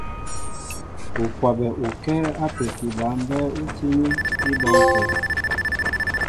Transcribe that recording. U kwabɛ ukɛ́ɛ́ ápeki ba mbɛ́ɛ́ ú tíní í bɔ́ŋkɛ̄.